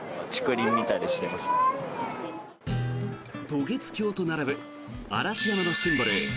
渡月橋と並ぶ嵐山のシンボル